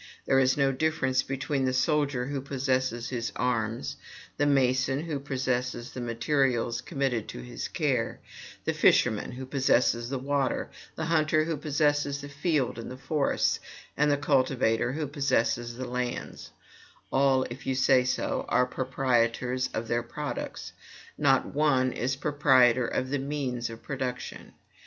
There is no difference between the soldier who possesses his arms, the mason who possesses the materials committed to his care, the fisherman who possesses the water, the hunter who possesses the fields and forests, and the cultivator who possesses the lands: all, if you say so, are proprietors of their products not one is proprietor of the means of production.